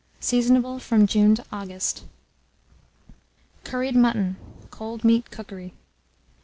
Seasonable from June to August. CURRIED MUTTON (Cold Meat Cookery).